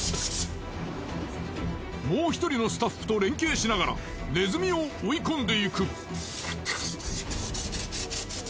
もう１人のスタッフと連携しながらネズミを追い込んでいく。